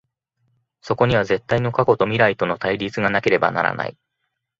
そこには絶対の過去と未来との対立がなければならない。